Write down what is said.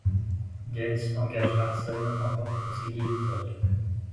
Gaines engage Marston en tant que conseiller éditorial.